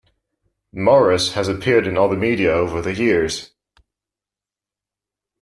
Morris has appeared in other media over the years.